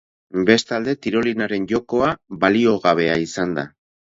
Bestalde, tirolinaren jokoa baliogabea izan da.